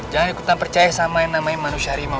jangan ikutan percaya sama yang namanya manusia harimau